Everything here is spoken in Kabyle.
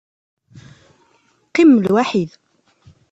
Qqimem lwaḥid.